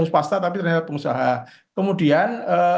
pasca tapi dari pengusaha kemudian